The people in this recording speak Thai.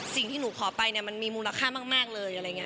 สิ่งที่หนูขอไปมันมีมูลค่ามากเลย